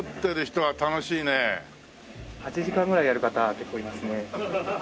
８時間ぐらいやる方結構いますね。